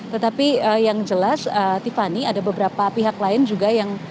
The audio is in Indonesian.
tetapi yang jelas tiffany ada beberapa pihak lain juga yang